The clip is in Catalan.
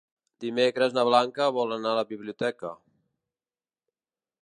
Dimecres na Blanca vol anar a la biblioteca.